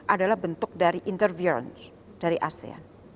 adalah bentuk dari intervier dari asean